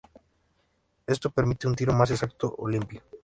Esto permite un tiro más exacto o "limpio".